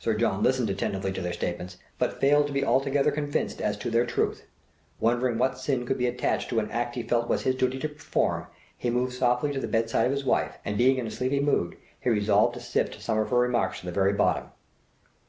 Sir John listened attentively to their statements, but failed to be altogether convinced as to their truth. Wondering what sin could be attached to an act he felt was his duty to perform, he moved softly to the bedside of his wife, and being in a sleepy mood, he resolved to sift some of her remarks to the very bottom.